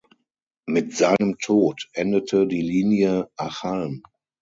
Mit seinem Tod endete die Linie Achalm.